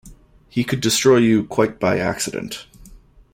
He could destroy you quite by accident.